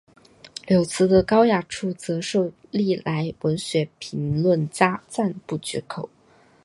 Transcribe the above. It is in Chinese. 柳词的高雅处则受历来文学评论家赞不绝口。